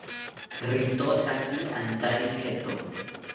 Ritotaki antari jeto